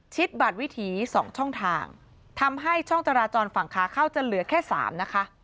บัตรวิถี๒ช่องทางทำให้ช่องจราจรฝั่งขาเข้าจะเหลือแค่สามนะคะ